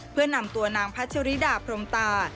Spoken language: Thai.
เพื่อนำตัวนางพัชริดาพรมตา